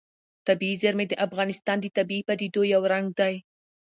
طبیعي زیرمې د افغانستان د طبیعي پدیدو یو رنګ دی.